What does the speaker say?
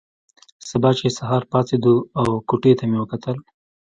سبا چې سهار پاڅېدو او کوټې ته مې وکتل.